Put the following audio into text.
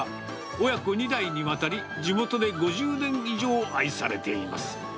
親子２代にわたり、地元で５０年以上愛されています。